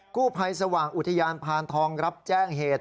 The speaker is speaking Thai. กู้ภัยสว่างอุทยานพานทองรับแจ้งเหตุ